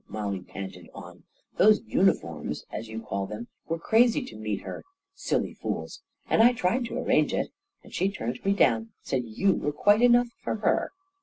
MoDk panted on* u Those uniforms, as you call them* were crazy to meet her — siDy fools 1 And I tried j to arrange itl And she turned me down! Said rew you were quite enough for her!